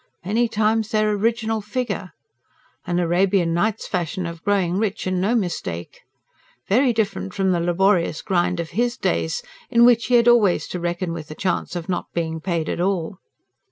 "Many times their original figure!" An Arabian nights fashion of growing rich, and no mistake! Very different from the laborious grind of HIS days, in which he had always to reckon with the chance of not being paid at all.